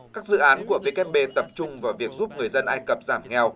các dự án của wb tập trung vào việc giúp người dân ai cập giảm nghèo